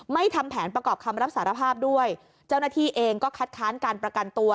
ทำแผนประกอบคำรับสารภาพด้วยเจ้าหน้าที่เองก็คัดค้านการประกันตัว